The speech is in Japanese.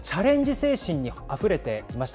精神にあふれていました。